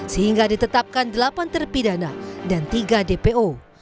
sehingga ditetapkan delapan terpidana dan tiga dpo